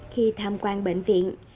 khi tham quan bệnh viện